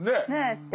って。